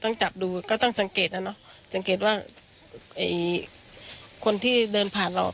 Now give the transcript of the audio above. ต้องจับดูก็ต้องสังเกตนะเนอะสังเกตว่าไอ้คนที่เดินผ่านเรา